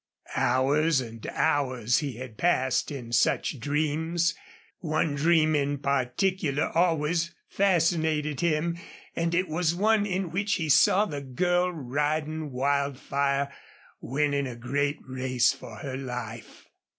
Hours and hours he had passed in such dreams. One dream in particular always fascinated him, and it was one in which he saw the girl riding Wildfire, winning a great race for her life.